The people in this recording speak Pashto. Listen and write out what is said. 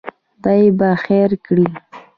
خدای به خیر کړي.